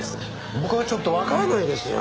僕はちょっとわからないですよ。